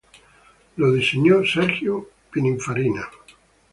Lo diseño Sergio Pininfarina.